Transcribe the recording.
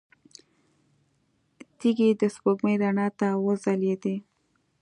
تيږې د سپوږمۍ رڼا ته وځلېدې.